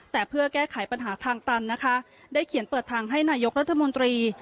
แต่เพื่อแก้ไขปัญหาทางตันนะคะได้เขียนเปิดทางให้นายกรัฐมนตรี